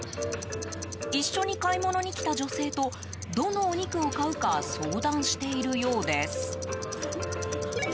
一緒に買い物に来た女性とどのお肉を買うか相談しているようです。